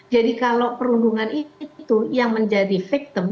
jadi kalau perundungan itu yang menjadi fasil